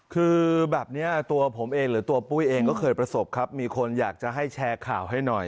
คือแบบนี้ตัวผมเองหรือตัวปุ้ยเองก็เคยประสบครับมีคนอยากจะให้แชร์ข่าวให้หน่อย